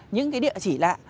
những cái địa chỉ lạ